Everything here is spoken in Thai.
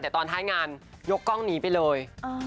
แต่ตอนท้ายงานยกกล้องหนีไปเลย